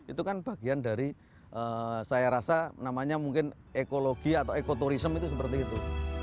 itu kan bagian dari saya rasa namanya mungkin ekologi atau ekoturism itu seperti itu